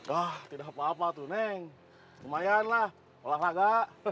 ah tidak apa apa tuh neng lumayanlah olahraga